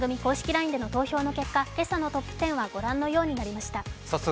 ＬＩＮＥでの投票の結果、今朝はご覧のようになりました。